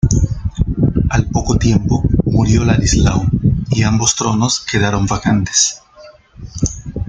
Al poco tiempo murió Ladislao y ambos tronos quedaron vacantes.